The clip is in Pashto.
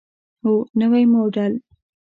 هو، نوی موډل